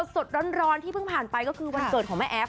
สดร้อนที่เพิ่งผ่านไปก็คือวันเกิดของแม่แอฟ